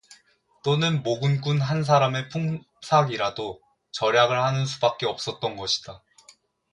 또는 모군꾼 한 사람의 품삯이라도 절약을 하는 수밖에 없었던 것이다.